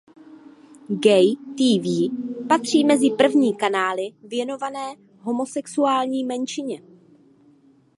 Gay.tv patří mezi první kanály věnované homosexuální menšině.